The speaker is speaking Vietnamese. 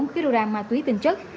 một trăm hai mươi bốn kg ma túy tinh chất